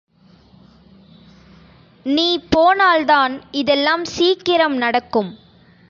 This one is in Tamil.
நீ போனால்தான் இதெல்லாம் சீக்கிரம் நடக்கும்.